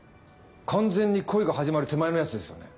完全に恋が始まる手前のやつですよね。